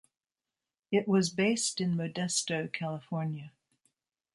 It was based in Modesto, California.